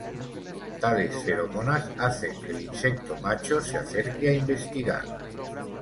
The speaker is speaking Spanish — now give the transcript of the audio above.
Tales feromonas hacen que el insecto macho se acerque a investigar.